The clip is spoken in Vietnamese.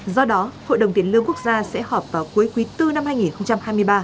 do đó hội đồng tiền lương quốc gia sẽ họp vào cuối quý bốn năm hai nghìn hai mươi ba